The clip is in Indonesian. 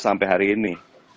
sampai hari ini